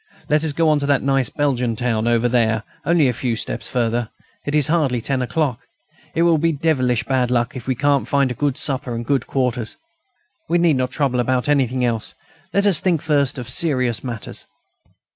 Let us go on to that nice Belgian town over there, only a few steps farther. It is hardly ten o'clock. It will be devilish bad luck if we can't find a good supper and good quarters. We need not trouble about anything else. Let us think first of serious matters."